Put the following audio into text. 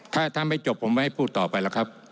ถ้าไม่จบผมไม่ให้พูดต่อไปหรอกครับ